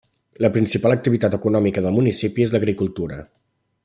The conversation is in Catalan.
La principal activitat econòmica del municipi és l'agricultura.